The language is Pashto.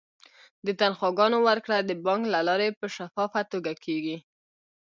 د تنخواګانو ورکړه د بانک له لارې په شفافه توګه کیږي.